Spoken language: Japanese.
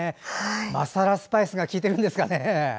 マサラスパイスが効いてるんですかね。